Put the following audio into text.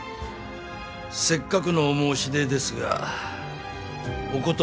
せっかくのお申し出ですがお断りします。